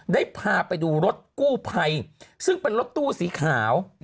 ได้พาไปดูรถกู้ภัยซึ่งเป็นรถตู้สีขาว